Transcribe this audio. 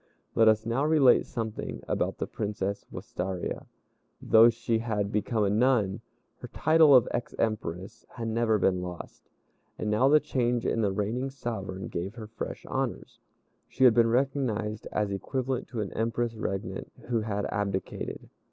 Let us now relate something about the Princess Wistaria. Though she had become a nun, her title of ex Empress had never been lost; and now the change in the reigning sovereign gave her fresh honors. She had been recognized as equivalent to an Empress regnant who had abdicated.